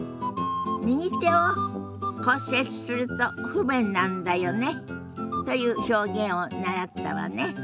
「右手を骨折すると不便なんだよね」という表現を習ったわね。